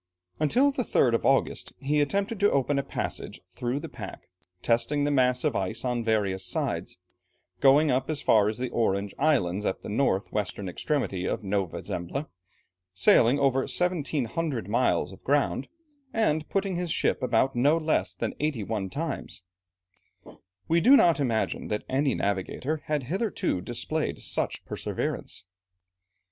Until the 3rd of August, he attempted to open a passage through the pack, testing the mass of ice on various sides, going up as far as the Orange Islands at the north western extremity of Nova Zembla, sailing over 1700 miles of ground, and putting his ship about no less than eighty one times. We do not imagine that any navigator had hitherto displayed such perseverance.